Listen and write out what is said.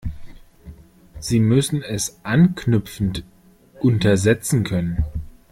Sie müssen es anknüpfend untersetzen können.